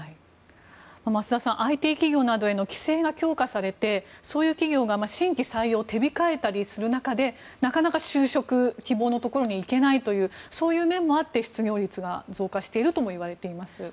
増田さんＩＴ企業などへの規制が強化されてそういう企業が新規採用を手控えたりする中でなかなか就職希望のところに行けないというそういう面もあって失業率が増加しているとも言われています。